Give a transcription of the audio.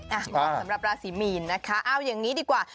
สำหรับราศีมีนนะคะเอาอย่างนี้ดีกว่า